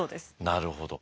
なるほど。